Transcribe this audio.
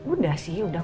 udah sih udah